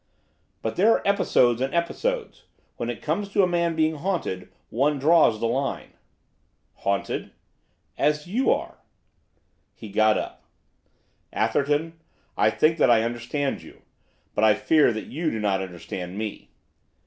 'But there are episodes and episodes, and when it comes to a man being haunted one draws the line.' 'Haunted?' 'As you are.' He got up. 'Atherton, I think that I understand you, but I fear that you do not understand me.